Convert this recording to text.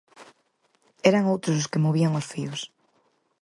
Eran outros os que movían os fíos.